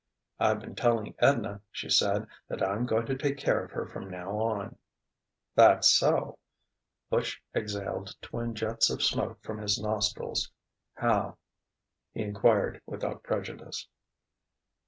"I've been telling Edna," she said, "that I'm going to take care of her from now on." "That so?" Butch exhaled twin jets of smoke from his nostrils. "How?" he enquired without prejudice.